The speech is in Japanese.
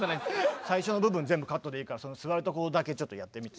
最初の部分全部カットでいいからその座るところだけちょっとやってみて。